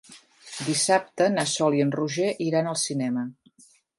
Dissabte na Sol i en Roger iran al cinema.